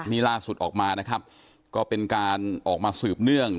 นี่ล่าสุดออกมานะครับก็เป็นการออกมาสืบเนื่อง